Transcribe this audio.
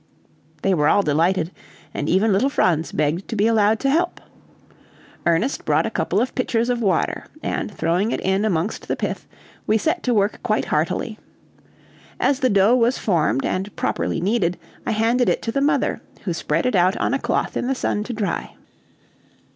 They were all delighted, and even little Franz begged to be allowed to help. Ernest brought a couple of pitchers of water, and throwing it in amongst the pith, we set to work quite heartily. As the dough was formed and properly kneaded, I handed it to the mother, who spread it out on a cloth in the sun to dry.